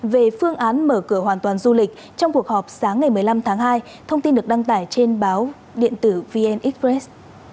về phương án mở cửa hoàn toàn du lịch trong cuộc họp sáng ngày một mươi năm tháng hai thông tin được đăng tải trên báo điện tử vn express